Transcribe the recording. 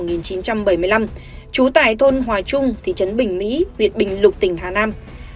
trú tại thôn hòa trung thị trấn bình mỹ việt bình lục tỉnh lai châu